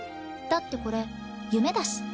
だってこれ夢だし。